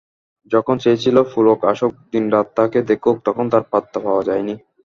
যখন চেয়েছিল পুলক আসুক, দিনরাত তাকে দেখুক, তখন তার পাত্তা পাওয়া যায়নি।